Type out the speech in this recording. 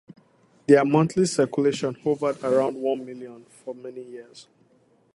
Their monthly circulation hovered around one million for many years.